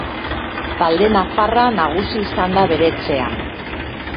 Talde nafarra, nagusi izan da bere etxean.